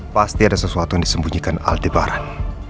pasti ada sesuatu yang disembunyikan al di baran